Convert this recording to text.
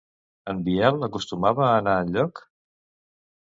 En Biel acostumava a anar enlloc?